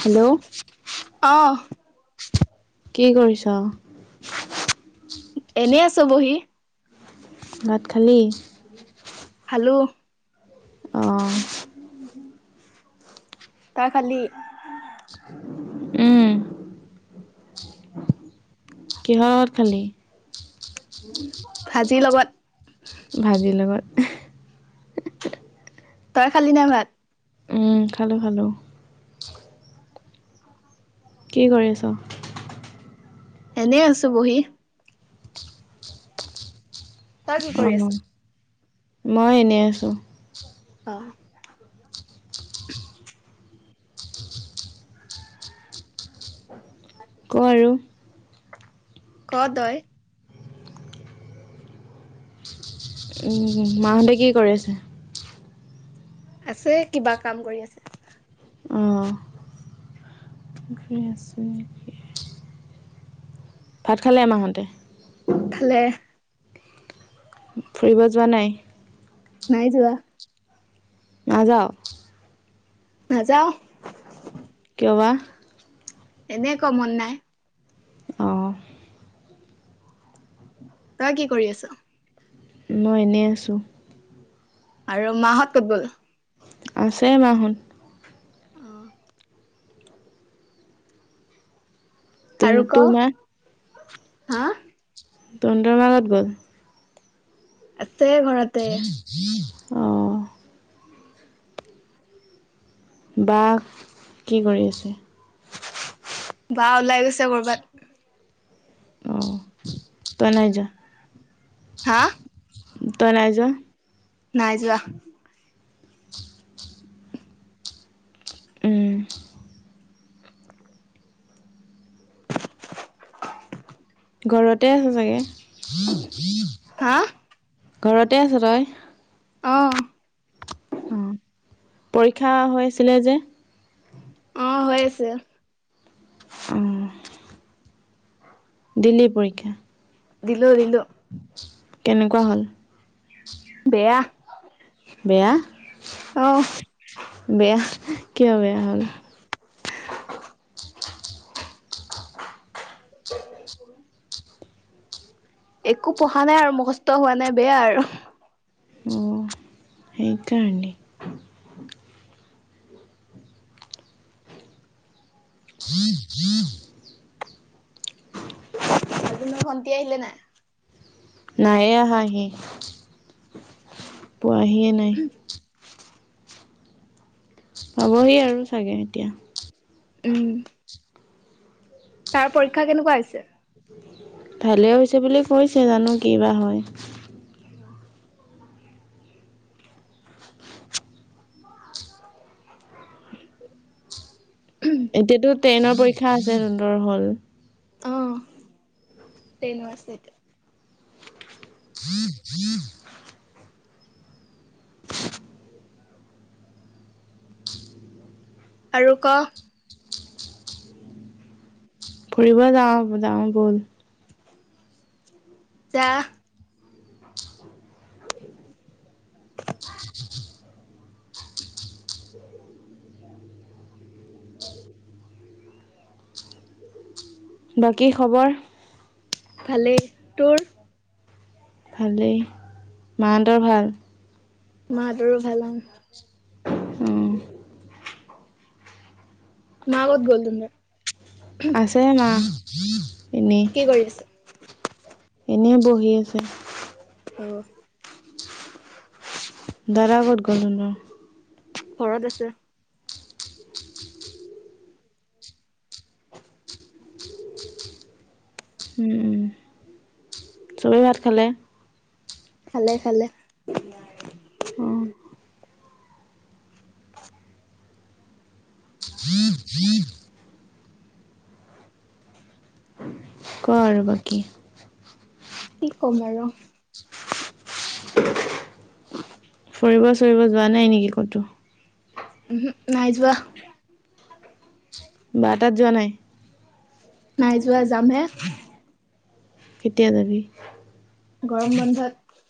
Hello অহ কি কৰিছ এনে আছোঁ বহি ভাত খালী খালোঁ অ তই খালি উম কিহৰ লগত খালি ভাজিৰ লগত ভাজিৰ লগত তই খালি নাই ভাত উম খালো খালো কি কৰিছ এনেই আছো বহি তই কি কৰি আছ অ মই এনে আছো অ ক আৰু ক ত ই মাহঁতে কি কৰি আছে আছে কিবা কাম কৰি আছে আছোঁ ভাত খালে আমাহঁতে খালে ফুৰিব যোৱা নাই নাই যোৱা না যাৱ নাযাওঁ কিয় বাঁ এনেই ক মন নাই অহ তই কি কৰি আছ? মই এনেই আছোঁ। আৰু মাহত ক'তগ'ল? আছে মা হঁত। অহ তুম আৰু ক তো মা? হা তণ্ডৰ মা ক'ত গ'ল? আছে ঘৰতে অহ বা কি কৰি আছে? বা ওলাই গৈছে কৰ'বাত। অহ, তই নাই যোৱা? হা তই নাই যোৱা? নাই যোৱা। উম গৰতে আছে চাগে। হা ঘৰতে আছ তই? অহ হ, পৰীক্ষা হৈ আছিলে যে অহ, হৈ আছে। উম দিলি পৰীক্ষা? দিলোঁ - দিলোঁ। কেনেকুৱা হ'ল? বেয়া। বেয়া অহ বেয়া কিয় বেয়া হ'ল? [unintelligible] একো পঢ়া নাই আৰু মুখস্থ হোৱা নাই বেয়া আৰু। সেই কাৰনে আজি তোমাৰ ভণ্টি আহিলে নাই? নায়ে আহা সি পোৱাহিয়ে নাই। পাবহি আৰু চাগে এতিয়া। উম তাৰ পৰীক্ষা কেনেকুৱা হৈছে? ভালে হৈছে বুলি কৈছে জানো কি বা হয়। অহ এতিয়াতো টেনৰ পৰীক্ষা আছে জোনটৰ হ'ল। অহ, তেনৰ আছে এতিয়া। আৰু ক? ফুৰিব যাওঁ-যাওঁ বল? যা। বাকী খবৰ? ভালে তোৰ? ভালেই মাহন্তৰ ভাল? মা হতৰো ভাল উম মাকত গ'ল তুদৰ [unintelligible] আছে মা। এনেই কি কৰি আছে? এনেই বহি আছে। অহ, দাদাকত গল তুণ্ডৰ [unintelligible] ঘৰত আছে। উম-উম। ত ভাত খালে? খালে-খালে। অ ক আৰু বাকী কি ক'ম আৰু। ফুৰিব চুৰিব যোৱা নাই নেকি ক'তো? উহো নাইজোৱা? [unintelligible] বাটাত যোৱা নাই? [unintelligible] নাই যোৱা যাম হে। কেতিয়া যাবি। গৰম বন্ধত।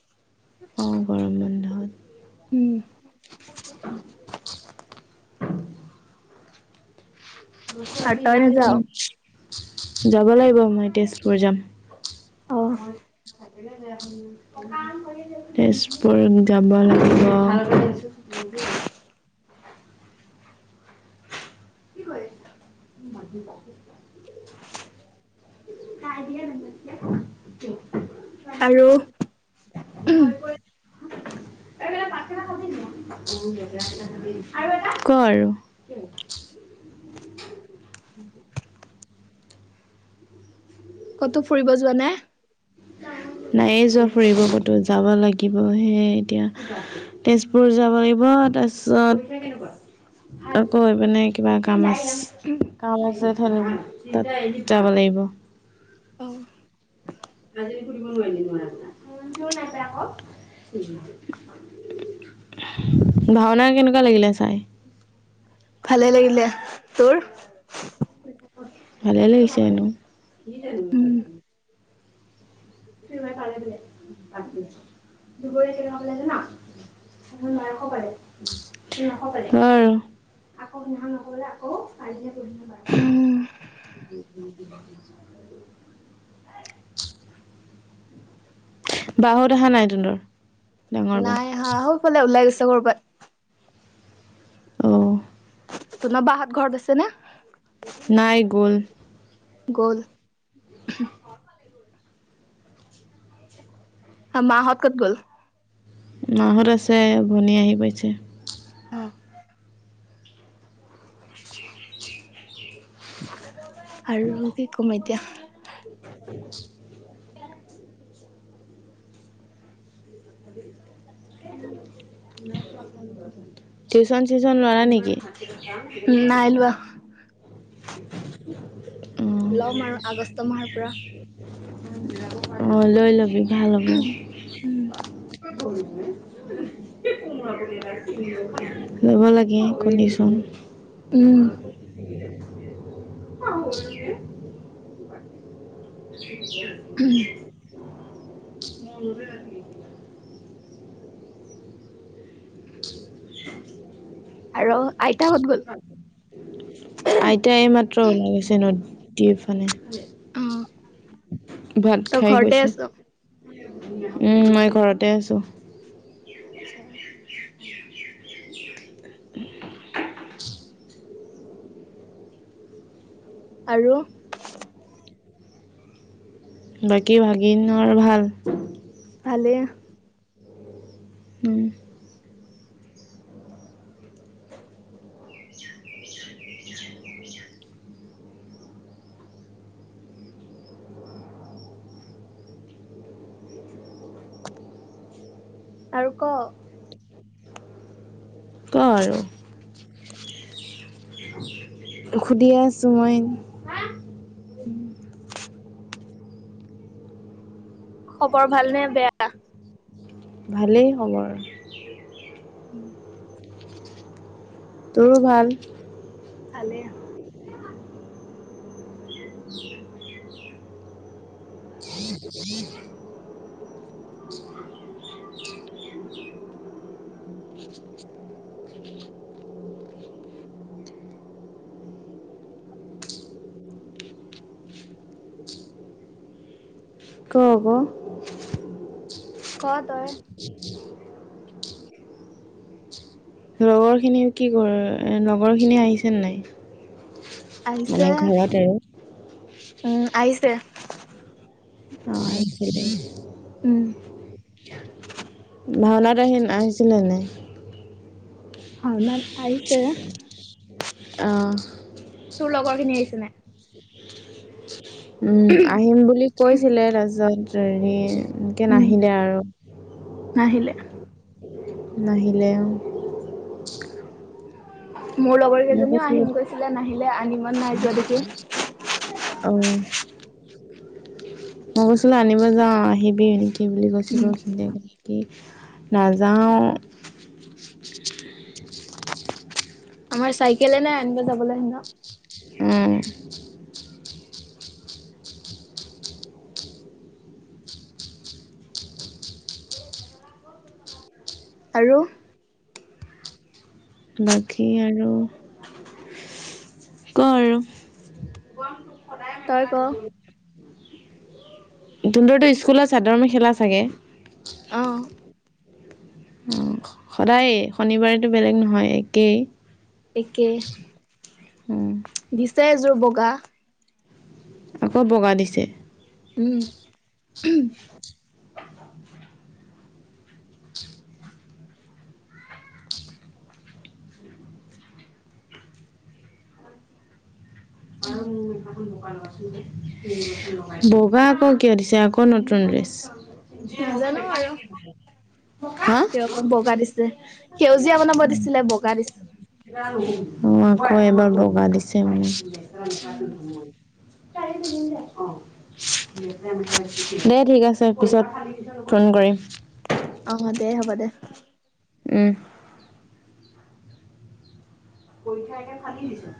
অ', গৰম বন্ধত। উম', আৰু তই নাযাও যাব লাগিব মই তেজপুৰ যাম। অ মই তেজপুৰ যাব লাগিব। [inaudible] কি কৰিছ ম [unintelligible] ক দিয়া নম [unintelligible] আৰু [inaudible] [unintelligible] কৰ [unintelligible] ক'তো ফুৰিব যোৱানাই? নাই [unintelligible] নায়ে যোৱা ফুৰিব ক'তো যাব লাগিব সে এতিয়া তেজপুৰ যাব লাগিব। [unintelligible] তাৰপিছত আকৌ মানে কিবা কাম আছে। কাম আছে ধ ল তাত যাব লাগিব [unintelligible] অ আজি [unintelligible] ফুৰিব নোৱাৰিলি নোৱাৰ নায় আকৌ [unintelligible] ভাওনা কেনেকুৱা লাগিলে চাই? ভাল লাগিলে। তোৰ? ভালে লাগিছে উম শবাৰ [unintelligible] কালে বলে দুপৰীয়া কে খাব লাগে জান [unintelligible] [unintelligible] অ আকৌ সহা নকলে আকৌ কাইটিয়া কঢ ন প উম। [unintelligible] উম উ [unintelligible] বা হত অহা নাই তহতৰ? নাই অহা সৌফালে ওলাই গৈছে কৰ'বাত অঁ তোমাৰ বা হত ঘৰত আছে নে? নাইগ'ল। গল মাহত কত গ'ল? মাহত আছে ভনিয়ে আহি পাইছে। অ আৰু কি কম এতিয়া [inaudible] [unintelligible] টিউচন চিউচন লোৱা নেকি? নাই লোৱা [unintelligible] ল'ম আৰু আগষ্ট মাহৰ পৰা। উম লৈ লবি ভাল হ'ব। লব লাগে কৈ দিচুং উম। [unintelligible] [unintelligible] আৰু আইতা ক'ত গ'ল? [inaudible] আইতাই এই মাত্ৰ ওলাই গৈছে ন? দি ফালে অ ভাত তই খাই ঘৰতে গৈছে। আছ? উম মই ঘৰতে আছো। আচ্ছা [inaudible] আৰু বাকী ভাগিনৰৰ ভাল? ভালে। উম। আৰু ক ক আৰু খুডিয়াছো মই উম খবৰ ভাল নে বেয়া? ভালেই হ'ব আৰু। উম তোৰো ভাল? ভালে। [unintelligible] ক ক ক তই লগৰ খিনি কি কৰ লগৰ খিনি আহিছে নাই। আহিছে মানে ঘৰত আৰু উম আহিছে। [unintelligible] উম। ভাওনাত আহে আহিছিলে নে। ভাওনাত আহিছে। আহ। তোৰ লগত খিনি আহিছে নাই? উম আহিম বুলি কৈছিলে তাৰপিছত হেৰি। এনেকৈ উম নাহিলে আৰু নাহিলে। নাহিলে [unintelligible] মোৰ লগৰ মই কেইজনীও কৈছিলোঁ আহিম গৈছিলে নাহিলে আনিমন নাই যোৱা দেখি। অঁ মই কৈছিলো আনিব যাওঁ আহিবি সেই বুলি কৈছে ক উম, ধুনীয়া লাগে। কি নযাওঁ আমাৰ চাইকেলে নাই আনিবা যাবলৈ হেতক উম আৰু বাকী আৰু ক আৰু তই ক? তোতৰটো স্কুলত চাদৰ মেখেলা চাগে আহঁ। অ সদায়ে শনিবাৰেতো বেলেগ নহয় একেই একে উম দিছে এযোৰ বগা আকৌ বগা দিছে। উম বগা আকৌ কিয় দিছে আকৌ নতুন [unintelligible] হা সি আকৌ বগা দিছে সেউজীয়া বনাব দিছিলে বগা দিছে। জানো অ আকৌ এবাৰ বগা দিছে মানে উম, দেই ঠিক আছে পিছত ফোন কৰিম। অ' দে [inaudible] উম পৰীক্ষা একে ফালি দিছো।